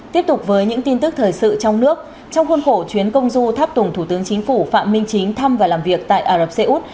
tiếp tục với những tin tức thời sự trong nước trong khuôn khổ chuyến công du tháp tùng thủ tướng chính phủ phạm minh chính thăm và làm việc tại ả rập xê út